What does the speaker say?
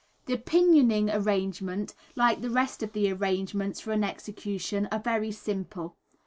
The pinioning arrangement, like the rest of the arrangements for an execution, are very simple.